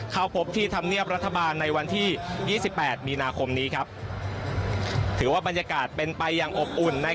เข้าพบที่ธรรมเนียบรัฐบาลในวันที่ยี่สิบแปดมีนาคมนี้ครับถือว่าบรรยากาศเป็นไปอย่างอบอุ่น